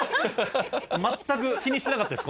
全く気にしてなかったです